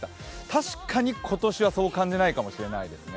確かに今年はそう感じないかもしれないですね